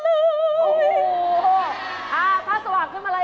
โลกมันสว่างขึ้นมาเลย